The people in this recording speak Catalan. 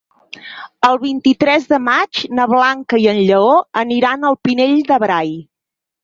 El vint-i-tres de maig na Blanca i en Lleó aniran al Pinell de Brai.